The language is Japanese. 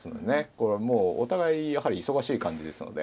これもうお互い忙しい感じですので。